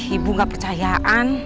ibu gak percayaan